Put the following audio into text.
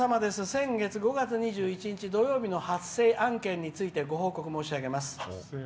先月５月２１日土曜日の発生案件についてご報告申し上げます。